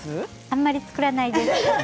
あまり作らないです。